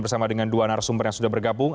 bersama dengan dua narasumber yang sudah bergabung